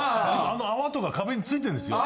あの泡とか壁についてるんですよ。